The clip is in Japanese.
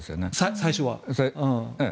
最初は。